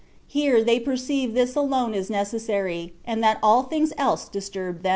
Here they perceive thisf alone is necessary, and that all things else disturb them.